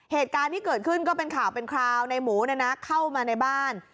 เหตุการณ์ที่เกิดขึ้นก็เป็นข่าวเป็นคราวในหมูเข้ามาในบ้าน